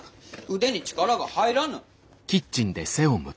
腕に力が入らぬ。